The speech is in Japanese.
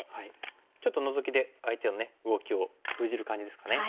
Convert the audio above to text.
ちょっとノゾキで相手の動きを封じる感じですかね。